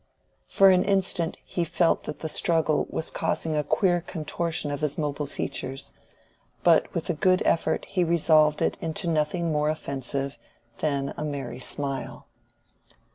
For an instant he felt that the struggle was causing a queer contortion of his mobile features, but with a good effort he resolved it into nothing more offensive than a merry smile.